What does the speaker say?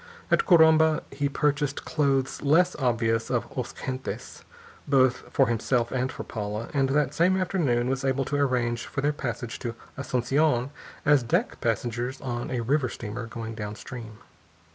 At Corumba he purchased clothes less obviously of os gentes, both for himself and for Paula, and that same afternoon was able to arrange for their passage to Asunción as deck passengers on a river steamer going downstream.